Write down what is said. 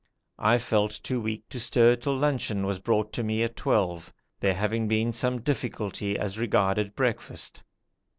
I felt too weak to stir till luncheon was brought me at twelve, there having been some little difficulty as regarded breakfast.